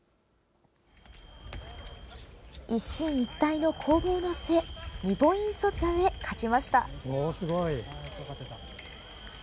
一進一退の攻防の末２ポイント差で勝ちました。